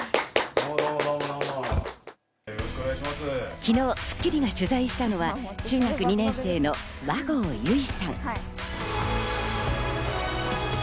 昨日『スッキリ』が取材したのは中学２年生の和合由依さん。